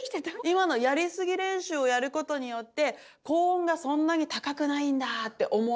今のやりすぎ練習をやることによって高音がそんなに高くないんだって思わせる